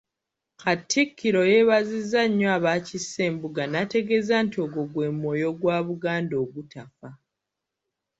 Katikkiro yeebazizza nnyo abaakiise embuga n’ategeeza nti ogwo gwe mwoyo gwa Buganda ogutafa.